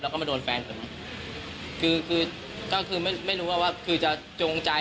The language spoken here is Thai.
แล้วก็มาโดนแฟนผมคือคือก็คือไม่รู้ว่าว่าคือจะจงใจ